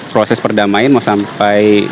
proses perdamaian mau sampai